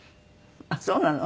あっそうなの。